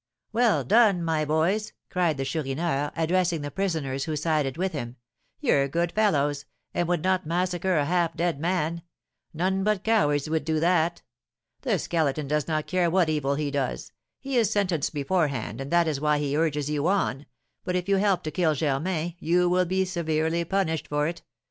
"Well done, my boys!" cried the Chourineur, addressing the prisoners who sided with him. "You're good fellows, and would not massacre a half dead man; none but cowards would do that. The Skeleton does not care what evil he does; he is sentenced beforehand, and that is why he urges you on; but if you help to kill Germain, you will be severely punished for it.